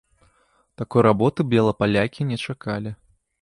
Такой работы белапалякі не чакалі.